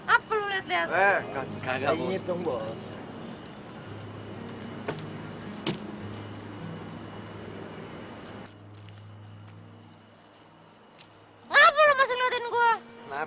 apalagi sejamable undang undang